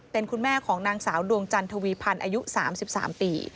เป็นคุณแม่ของนางสาวดวงจันทวีพันธ์อายุ๓๓ปี